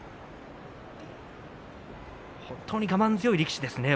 本当に我慢強い力士ですね